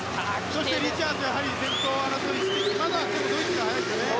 そしてリチャーズも先頭争いしてますがただ、ドイツが速いですね。